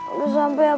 udah sampe ya pak